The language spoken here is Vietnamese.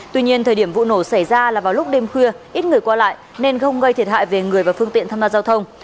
tuy nhiên thời điểm vụ nổ xảy ra là vào lúc đêm khuya ít người qua lại nên không gây thiệt hại về người và phương tiện tham gia giao thông